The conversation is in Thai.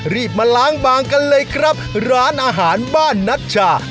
รีบมาล้างบางกันเลยครับร้านอาหารบ้านนัชชา